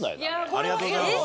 ありがとうございます。